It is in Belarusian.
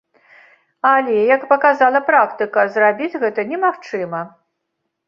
Але, як паказала практыка, зрабіць гэта немагчыма.